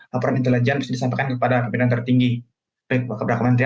laporan intelijen bisa disampaikan kepada kementerian tertinggi baik keberakaman menteri